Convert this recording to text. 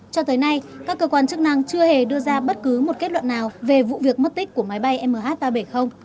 cho tới nay các cơ quan chức năng chưa hề đưa ra bất cứ một kết luận nào về vụ việc mất tích của máy bay mh ba trăm bảy mươi